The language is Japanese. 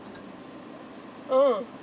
うん。